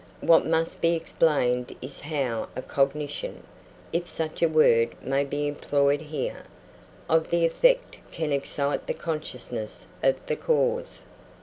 What must be explained is how a cognition (if such a word may be employed here) of the effect can excite the consciousness of the cause.